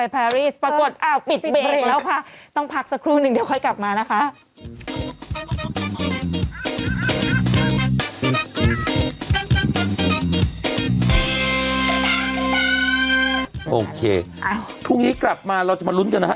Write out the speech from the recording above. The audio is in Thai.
พรุ่งนี้กลับมาเราจะมาลุ้นกันนะฮะ